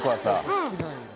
うん